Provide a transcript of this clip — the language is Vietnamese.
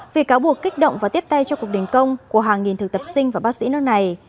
vì cáo buộc kích động và tiếp tay cho cuộc đình công của hàng nghìn thực tập sinh và bác sĩ nước này